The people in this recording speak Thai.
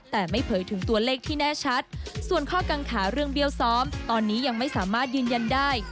แต่ไม่เผยถึงตัวเลขที่แน่ชัดส่วนข้อกังขาเรื่องเบี้ยวซ้อมตอนนี้ยังไม่สามารถยืนยันได้